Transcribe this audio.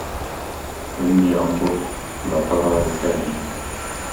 إني امرؤ لا ترى لساني